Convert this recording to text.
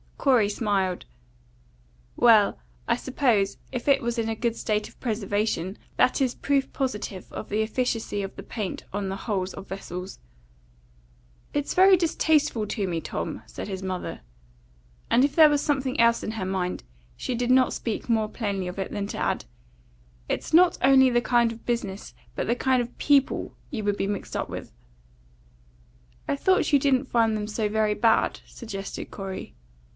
Corey smiled. "Well, I suppose, if it was in a good state of preservation, that is proof positive of the efficacy of the paint on the hulls of vessels." "It's very distasteful to me, Tom," said his mother; and if there was something else in her mind, she did not speak more plainly of it than to add: "It's not only the kind of business, but the kind of people you would be mixed up with." "I thought you didn't find them so very bad," suggested Corey.